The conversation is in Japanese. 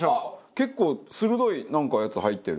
結構鋭いなんかやつ入ってる。